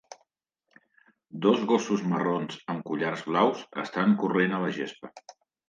Dos gossos marrons amb collars blaus estan corrent a la gespa